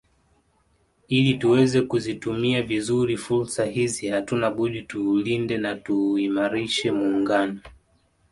Ili tuweze kuzitumia vizuri fursa hizi hatuna budi tuulinde na tuuimarishe Muungano